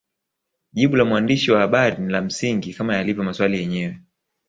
Jibu la mwandishi wa habari ni la msingi kama yalivyo maswali yenyewe